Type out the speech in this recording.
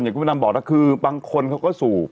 อย่างคุณพินัมบอกว่าคือบางคนเขาก็สูบ